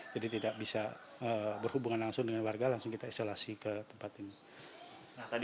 jadi tidak bisa berhubungan langsung dengan warga langsung kita isolasi ke tempat ini